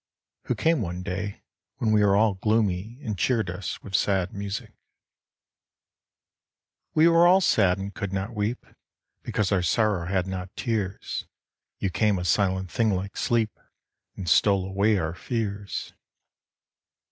(who came one day when we were all gloomy anp cheered us with sad music) We were all sad and could not weep, Because our sorrow had not tears : You came a silent thing like Sleep, And stole away our fears.